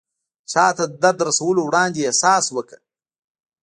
چاته د درد رسولو وړاندې احساس وکړه.